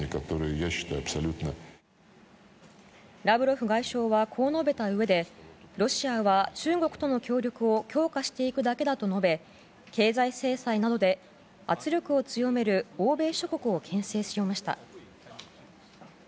ラブロフ外相はこう述べたうえでロシアは中国との協力を強化していくだけだと述べ経済制裁などで圧力を強める欧米諸国を牽制しました。